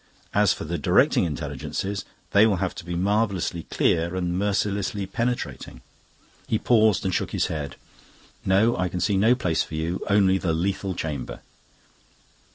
As for the Directing Intelligences, they will have to be marvellously clear and merciless and penetrating." He paused and shook his head. "No, I can see no place for you; only the lethal chamber."